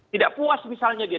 tidak puas misalnya dia